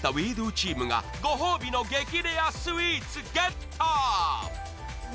チームがご褒美の激レアスイーツゲット